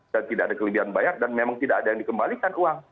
dan tidak ada kelebihan bayar dan memang tidak ada yang dikembalikan uang